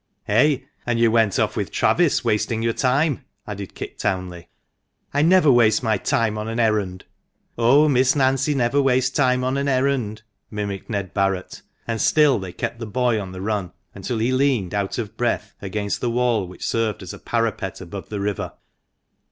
" Eh ! and you went off with Travis, wasting your time !" added Kit Townley. " I never waste my time on an errand." " Oh ! Miss Nancy never wastes time on an errand," mimicked Ned Barret ; and still they kept the boy on the run, until he leaned, out of breath, against the wall which served as a parapet above the river.